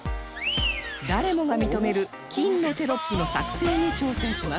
誰もが認める金のテロップの作成に挑戦します